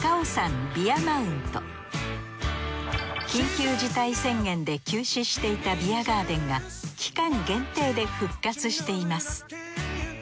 緊急事態宣言で休止していたビアガーデンが期間限定で復活しています。